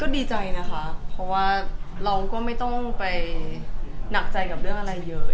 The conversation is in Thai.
ดีใจนะคะเพราะว่าเราก็ไม่ต้องไปหนักใจกับเรื่องอะไรเยอะ